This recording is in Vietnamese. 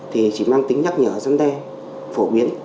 thì chỉ mang tính nhắc nhở dân đe phổ biến